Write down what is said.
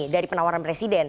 dari penawaran presiden